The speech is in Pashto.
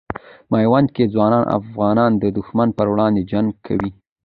میوند کې ځوان افغانان د دښمن پر وړاندې جنګ کوي.